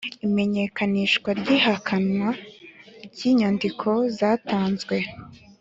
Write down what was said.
Imenyekanisha ry’ihakanwa ry’inyandiko zatanzwe